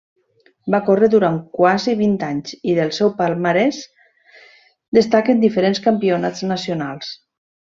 Va córrer durant quasi vint anys i del seu palmarès destaquen diferents campionats nacionals.